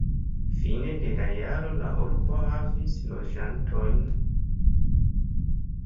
Fine de la jaro la urbo havis loĝantojn.